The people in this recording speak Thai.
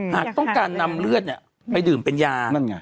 หากต้องการนำเลือดเนี่ยไปดื่มเป็นยา